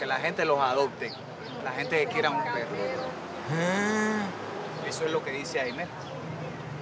へえ。